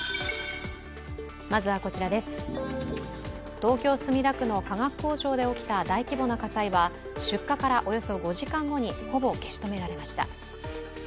東京・墨田区の化学工場で起きた大規模な火災は出火からおよそ５時間後にほぼ消し止められました。